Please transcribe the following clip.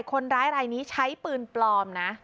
คนร้ายรายนี้ใช้ปืนปลอมนะ